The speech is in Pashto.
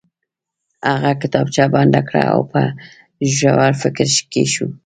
هغه کتابچه بنده کړه او په ژور فکر کې شو